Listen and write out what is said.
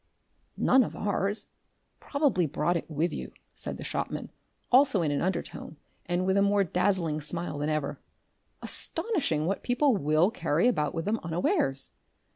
"None of ours! Probably brought it with you," said the shopman also in an undertone, and with a more dazzling smile than ever. "Astonishing what people WILL carry about with them unawares!"